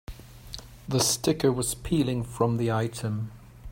The sticker was peeling from the item.